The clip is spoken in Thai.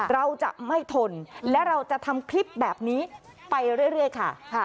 เราจะไม่ทนและเราจะทำคลิปแบบนี้ไปเรื่อยค่ะ